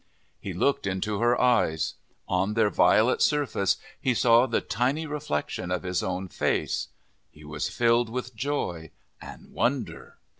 He looked into her eyes. On their violet surface he saw the tiny reflection of his own face. He was filled with joy and wonder.